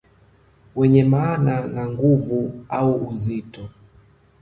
wenye maana na nguvu au uzito